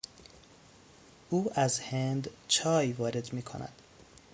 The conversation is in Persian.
او از هند چای وارد میکند.